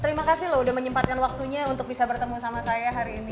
terima kasih loh udah menyempatkan waktunya untuk bisa bertemu sama saya hari ini